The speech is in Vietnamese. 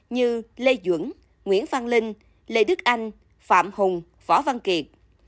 như lê dưỡng nguyễn phan linh lê đức anh phạm hùng phỏ văn kiệt